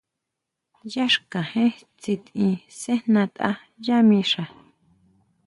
Yá xkajén tsitin sejnatʼa yá mixa.